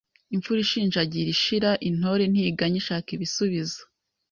Imfura ishinjagira ishira. Intore ntiganya ishaka ibisubizo